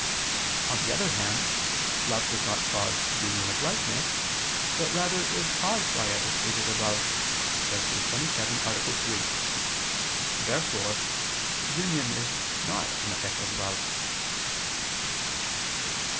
On the other hand, love does not cause union of likeness, but rather is caused by it, as stated above (Q. 27, A. 3). Therefore union is not an effect of love.